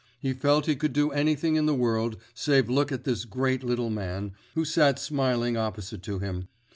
He felt he could do anything in the world save look at this great little man, who sat smiling opposite to him.